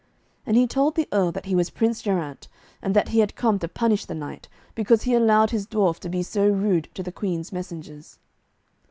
And he told the Earl that he was Prince Geraint, and that he had come to punish the knight, because he allowed his dwarf to be so rude to the Queen's messengers.